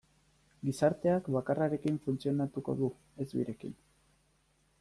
Gizarteak bakarrarekin funtzionatuko du, ez birekin.